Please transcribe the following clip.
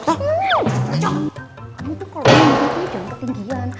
kamu tuh kalau mimpi dalam ketinggian